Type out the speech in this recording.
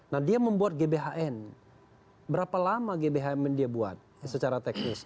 nah dia membuat gbhn berapa lama gbhn dia buat secara teknis